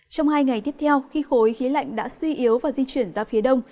trong hai ngày tiếp theo khi khối khí lạnh đã suy yếu và di chuyển ra phía đông